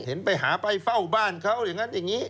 เห็นไปหาไปเฝ้าบ้านเขาอย่างนั้นอย่างนี้